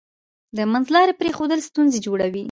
د منځلارۍ پریښودل ستونزې جوړوي.